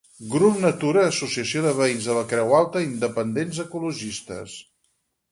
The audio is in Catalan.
Grup Natura Associació de Veïns de la Creu Alta independents ecologistes